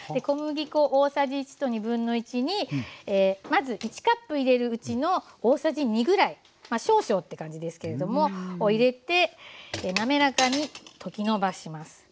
小麦粉大さじ１と1/2にまず１カップ入れるうちの大さじ２ぐらいまあ少々って感じですけれども入れてなめらかに溶きのばします。